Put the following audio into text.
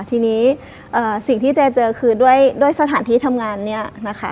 ทีนี้สิ่งที่เจ๊เจอคือด้วยสถานที่ทำงานเนี่ยนะคะ